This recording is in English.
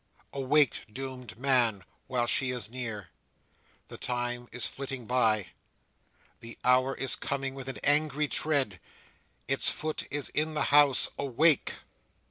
Awake, doomed man, while she is near! The time is flitting by; the hour is coming with an angry tread; its foot is in the house. Awake!